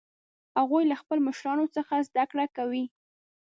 هغوی له خپلو مشرانو څخه زده کړه کوي